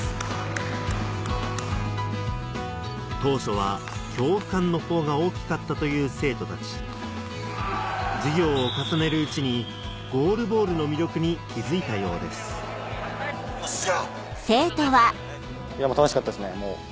当初は恐怖感の方が大きかったという生徒たち授業を重ねるうちにゴールボールの魅力に気付いたようですよっしゃ！